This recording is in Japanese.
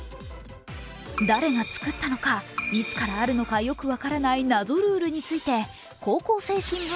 誰が作ったのか、いつからあるのかよく分からない謎ルールについて高校生新聞